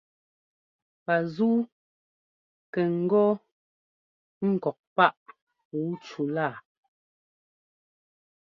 Pazúu kɛ ŋ́gɔ ŋ́kɔk páꞋ puu cú laa.